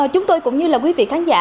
chúng tôi cũng như là quý vị khán giả